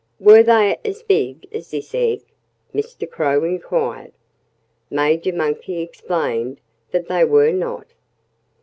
"Were they as big as this egg?" Mr. Crow inquired. Major Monkey explained that they were not.